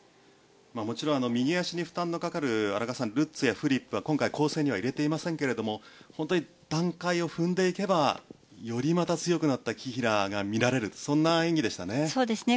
もちろん右足に負担がかかるルッツやフリップは今回、構成には入れていませんけれども本当に段階を踏んでいけばよりまた強くなった紀平が見られるそんな演技でしたね。